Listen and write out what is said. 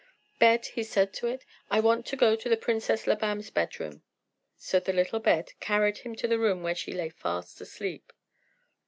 "Bed," he said to it, "I want to go to the Princess Labam's bed room." So the little bed carried him to the room where she lay fast asleep.